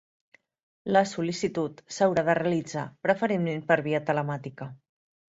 La sol·licitud s'haurà de realitzar preferentment per via telemàtica.